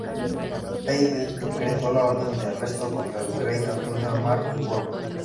Pey decretó la orden de arresto contra el virrey Antonio Amar y Borbón.